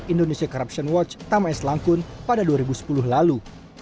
indonesia corruption watch tamai selangkun pada dua ribu sepuluh lalu